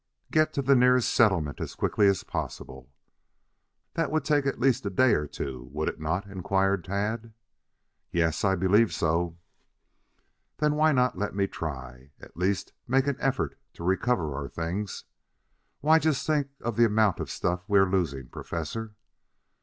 "Get to the nearest settlement as quickly as possible." "That would take at least a day or two, would it not?" inquired Tad. "Yes, I believe so." "Then why not let me try at least make an effort to recover our things? Why, just think of the amount of stuff we are losing, Professor."